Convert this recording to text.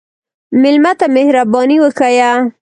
مېلمه ته مهرباني وښیه.